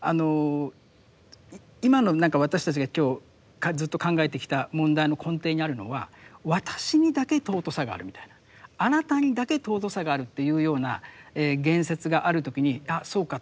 今の何か私たちが今日ずっと考えてきた問題の根底にあるのは私にだけ尊さがあるみたいなあなたにだけ尊さがあるっていうような言説がある時にあそうかって。